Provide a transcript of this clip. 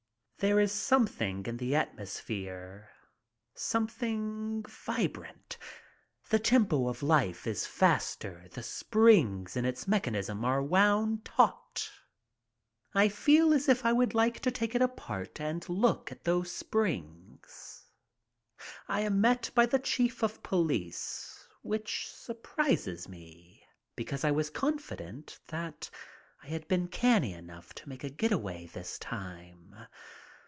There is something in the atmosphere. Something vibrant. The tempo of life is faster. The springs in its mechanism are wound taut. I feel as if I would like to take it apart and look at those springs. I am met by the chief of police, which surprised me, because I was confident that I had been canny enough to make a getaway this time.